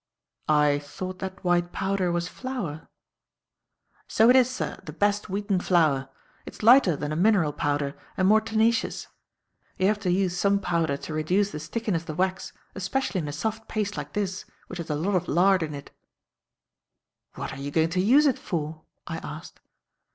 "I thought that white powder was flour." "So it is, sir; the best wheaten flour. It's lighter than a mineral powder and more tenacious. You have to use some powder to reduce the stickiness of the wax, especially in a soft paste like this, which has a lot of lard in it." "What are you going to use it for?" I asked.